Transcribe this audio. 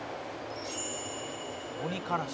「鬼からし」